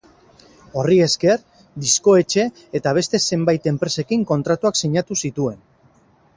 Horri esker, disko-etxe eta beste zenbait enpresekin kontratuak sinatu zituen.